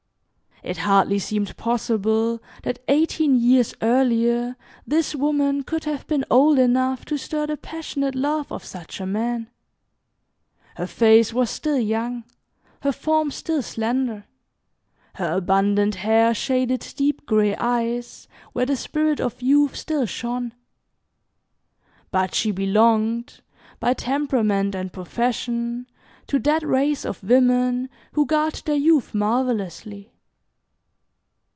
It hardly seemed possible that eighteen years earlier this woman could have been old enough to stir the passionate love of such a man. Her face was still young, her form still slender; her abundant hair shaded deep gray eyes where the spirit of youth still shone. But she belonged, by temperament and profession, to that race of women who guard their youth marvellously.